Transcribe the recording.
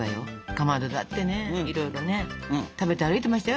かまどだってねいろいろね食べて歩いてましたよ